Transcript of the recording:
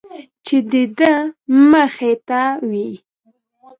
چې د ده مخې ته وي.